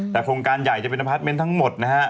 แต่โครงการใหญ่จะเป็นอพาร์ทเมนต์ทั้งหมดนะฮะ